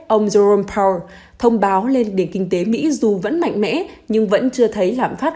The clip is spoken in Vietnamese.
ông jerome powell thông báo lên điểm kinh tế mỹ dù vẫn mạnh mẽ nhưng vẫn chưa thấy lãm phát